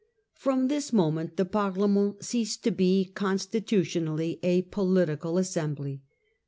From this moment the Parlement ceased to be, constitutionally, a political assembly.